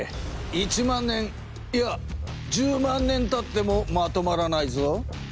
１万年いや１０万年たってもまとまらないぞ。